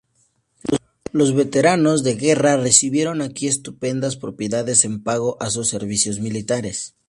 Los veteranos de guerra recibieron aquí estupendas propiedades en pago a sus servicios militares.